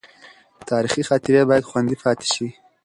تاریخي خاطرې باید خوندي پاتې شي.